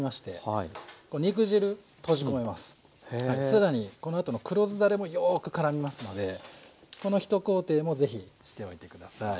更にこのあとの黒酢だれもよくからみますのでこの一工程も是非しておいて下さい。